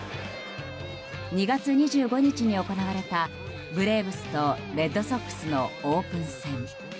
２月２５日に行われたブレーブスとレッドソックスのオープン戦。